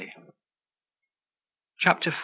CHAPTER V.